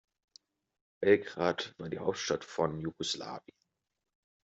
Belgrad war die Hauptstadt von Jugoslawien.